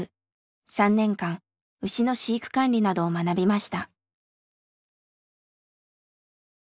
３年間牛の飼育管理などを学びました。